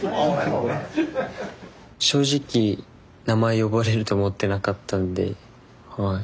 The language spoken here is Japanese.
正直名前呼ばれると思ってなかったんではい。